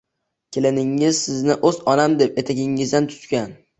Keliningiz sizni o‘z onam deb etagingizdan tutgan.